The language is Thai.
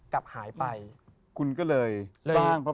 พระพุทธพิบูรณ์ท่านาภิรม